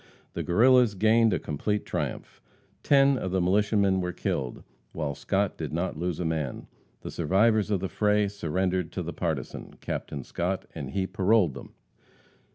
The Guerrillas gained a complete triumph. Ten of the militiamen were killed, while Scott did not lose a man. The survivors of the fray surrendered to the partisan, Captain Scott, and he paroled them.